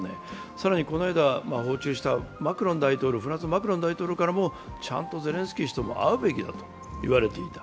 更にこの間、訪中したフランスのマクロン大統領からもちゃんとゼレンスキー氏と会うべきだと言われていた。